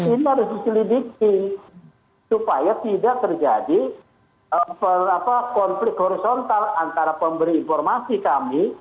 ini harus diselidiki supaya tidak terjadi konflik horizontal antara pemberi informasi kami